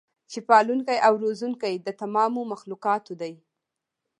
چې پالونکی او روزونکی د تمامو مخلوقاتو دی